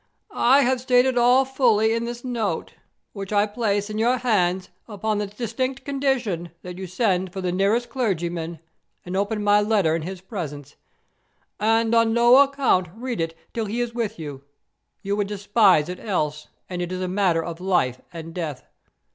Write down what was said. "'I have stated all fully in this note, which I place in your hands upon the distinct condition that you send for the nearest clergyman, and open my letter in his presence, and on no account read it till he is with you; you would despise it else, and it is a matter of life and death.